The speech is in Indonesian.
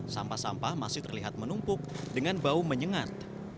sampah sampah masih terlihat menumpuk dengan bau menyengat